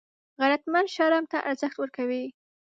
غیرتمند شرم ته ارزښت ورکوي